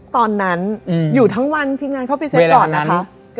ตอนนั้นอยู่ทั้งวันทีมงานเข้าไปเซ็ตก่อนนะคะ